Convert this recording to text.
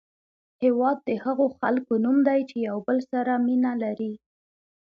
هېواد د هغو خلکو نوم دی چې یو بل سره مینه لري.